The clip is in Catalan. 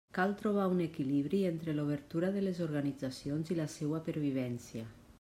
Cal trobar un equilibri entre l'obertura de les organitzacions i la seua pervivència.